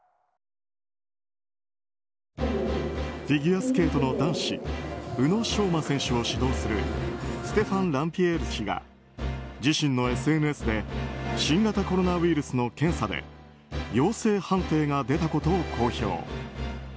フィギュアスケートの男子宇野昌磨選手を指導するステファン・ランビエール氏が自身のＳＮＳで新型コロナウイルスの検査で陽性判定が出たことを公表。